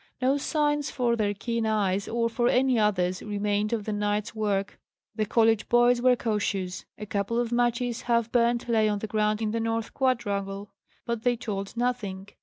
No signs, for their keen eyes, or for any others, remained of the night's work: the college boys were cautious. A couple of matches, half burnt, lay on the ground in the north quadrangle, but they told nothing.